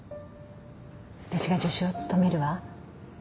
私が助手を務めるわ。